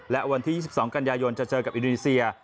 และวันที่๒๒กันยายนจะเจอกับอินโดนีเซีย